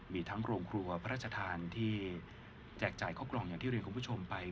มีทั้งโครงครัวประจฐานที่แจ้งจ่ายข้อกล่องอย่างที่เรียนของผู้ชมไป